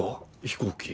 飛行機。